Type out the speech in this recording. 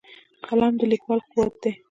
قلم د لیکوال قوت دی